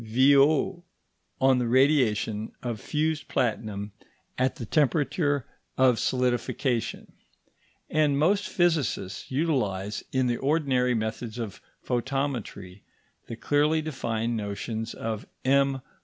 Violle on the radiation of fused platinum at the temperature of solidification; and most physicists utilize in the ordinary methods of photometry the clearly defined notions of M.